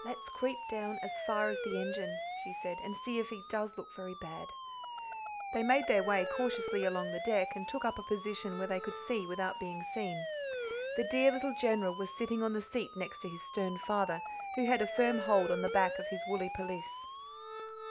"Let's creep down as far as the engine," she said, "and see if he does look very bad." They made their way cautiously along the deck, and took up a position where they could see without being seen. The dear little General was sitting on the seat next to his stern father, who had a firm hold of the back of his woolly pelisse.